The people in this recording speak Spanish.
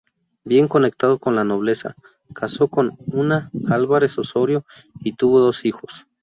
Bien conectado con la nobleza, casó con una Álvarez-Ossorio y tuvo dos hijos.